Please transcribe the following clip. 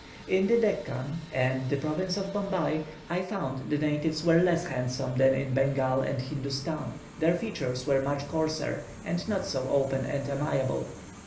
In the Deccan, and the province of Bombay, I found the natives were less handsome than in Bengal and Hindostan; their features were much coarser, and not so open and amiable.